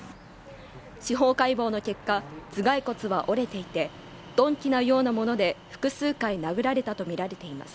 司法解剖の結果頭蓋骨は折れていて鈍器のようなもので複数回殴られたとみられています